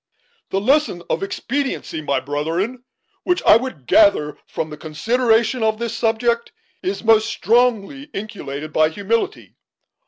"The lesson of expediency, my brethren, which I would gather from the consideration of this subject, is most strongly inculcated by humility.